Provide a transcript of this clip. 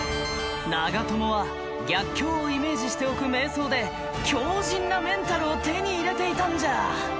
長友は逆境をイメージしておく瞑想で強靱なメンタルを手に入れていたんじゃ！